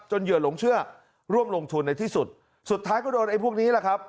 เหยื่อหลงเชื่อร่วมลงทุนในที่สุดสุดท้ายก็โดนไอ้พวกนี้แหละครับ